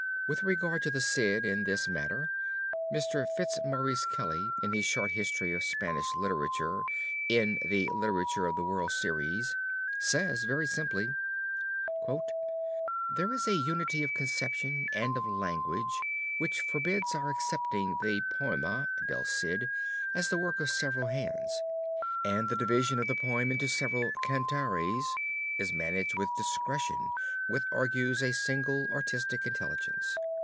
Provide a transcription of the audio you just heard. With regard to the Cid in this matter Mr. Fitzmaurice Kelly, in his Short History of Spanish Literature in the Literatures of the World Series, says very simply: "There is a unity of conception and of language which forbids our accepting the Poema (del Cid) as the work of several hands; and the division of the poem into several cantares is managed with a discretion which argues a single artistic intelligence.